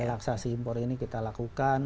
relaksasi impor ini kita lakukan